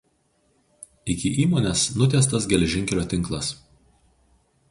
Iki įmonės nutiestas geležinkelio tinklas.